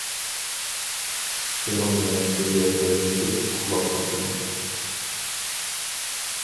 شۇنىڭ بىلەن شۇ يەردە يېتىپ ئۇخلاپ قاپتىمەن.